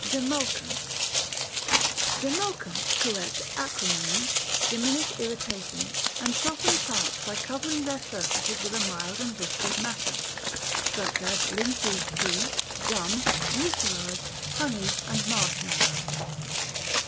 Demulcents Demulcents correct acrimony, diminish irritation, and soften parts by covering their surfaces with a mild and viscid matter, such as linseed tea, gum, mucilage, honey, and marsh mallow.